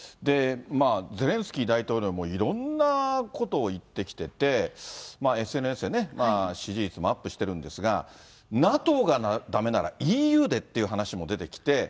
ゼレンスキー大統領もいろんなことを言ってきてて、ＳＮＳで支持率もアップしてるんですが、ＮＡＴＯがだめならＥＵでっていう話も出てきて。